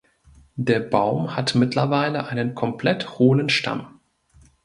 Der Baum hat mittlerweile einen komplett hohlen Stamm.